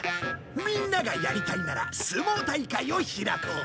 みんながやりたいなら相撲大会を開こう。